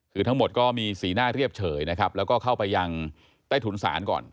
คือทั้งหมดก็มีสีหน้าเรียบเฉยนะครับแล้วก็เข้าไปยังใต้ถุนศาลก่อน